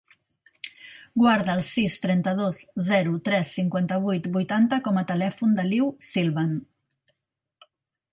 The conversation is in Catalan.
Guarda el sis, trenta-dos, zero, tres, cinquanta-vuit, vuitanta com a telèfon de l'Iu Silvan.